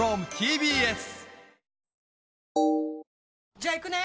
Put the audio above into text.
じゃあ行くね！